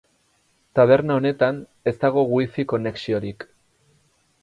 Taberna honetan ez dago Wi-Fi konexiorik.